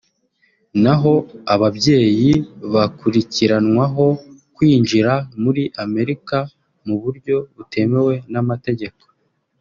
naho ababyeyi bakurikiranwaho kwinjira muri Amerika mu buryo butemewe n’amategeko